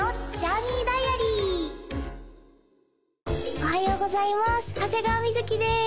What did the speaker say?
おはようございます長谷川瑞です